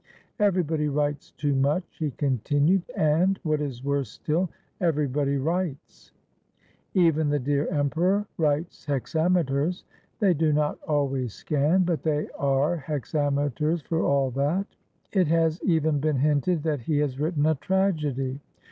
Everybody writes too much," he con tinued, "and, what is worse still, everybody writes. 413 ROME Even the dear emperor writes hexameters; they do not always scan, but they are hexameters for all that. It has even been hinted that he has written a tragedy.